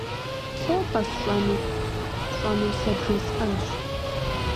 - ЛӀо-тӀэ сщӀэнур? - ПщӀэнур сэ бжесӀэнщ.